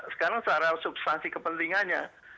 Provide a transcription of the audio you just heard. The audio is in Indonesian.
sekarang secara substansi kepentingannya